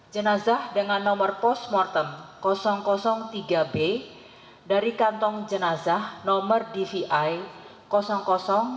tujuh jenazah dengan nomor postmortem tiga b dari kantong jenazah nomor dvi garis miring layan tanjung priuk garis miring tiga puluh tujuh